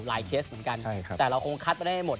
เคสเหมือนกันแต่เราคงคัดไม่ได้หมด